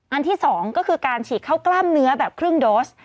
ที่๒ก็คือการฉีดเข้ากล้ามเนื้อแบบครึ่งโดส